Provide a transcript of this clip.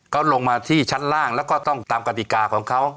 เขาลงมาที่ชั้นล่างแล้วก็ต้องตามกฎิกาของเขา